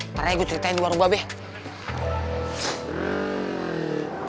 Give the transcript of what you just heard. taranya gue ceritain di warung babi ya